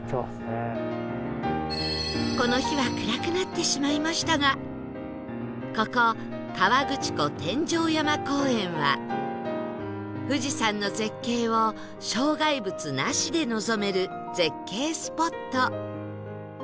この日は暗くなってしまいましたがここ河口湖天上山公園は富士山の絶景を障害物なしで望める絶景スポット